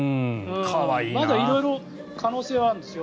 まだ色々可能性はあるんですよ。